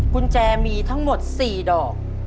กุญแจมีทั้งหมด๔ดอก